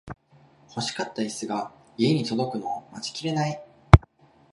欲しかったイスが家に届くのを待ちきれない